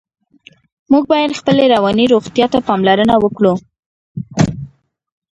موږ باید خپلې رواني روغتیا ته پاملرنه وکړو.